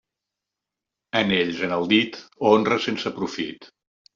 Anells en el dit, honra sense profit.